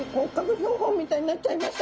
標本みたいになっちゃいました。